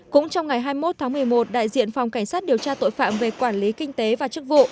cũng trong ngày hai mươi một tháng một mươi một đại diện phòng cảnh sát điều tra tội phạm về quản lý kinh tế và chức vụ